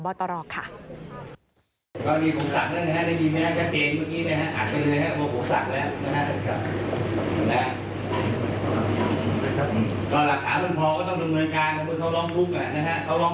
แล้วถ้ามีประยะหลักฐานพอก็ให้ดำเนินการประทานพิเศษอย่าง